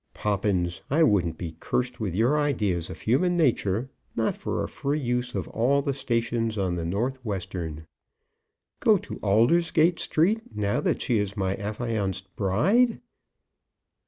"Poppins, I wouldn't be cursed with your ideas of human nature, not for a free use of all the stations on the North Western. Go to Aldersgate Street now that she is my affianced bride!"